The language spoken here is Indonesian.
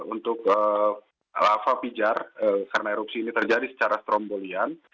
untuk lava pijar karena erupsi ini terjadi secara strombolian